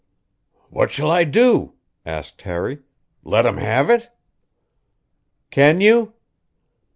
"What shall I do?" asked Harry. "Let him have it?" "Can you?"